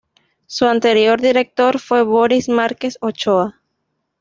Su anterior director fue Boris Márquez Ochoa.